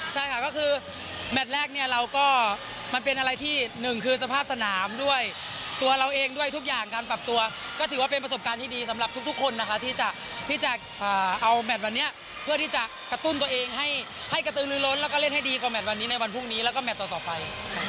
ใช่ค่ะก็คือแมทแรกเนี่ยเราก็มันเป็นอะไรที่หนึ่งคือสภาพสนามด้วยตัวเราเองด้วยทุกอย่างการปรับตัวก็ถือว่าเป็นประสบการณ์ที่ดีสำหรับทุกคนนะคะที่จะเอาแมทวันนี้เพื่อที่จะกระตุ้นตัวเองให้กระตือลื้อล้นแล้วก็เล่นให้ดีกว่าแมทวันนี้ในวันพรุ่งนี้แล้วก็แมทต่อไป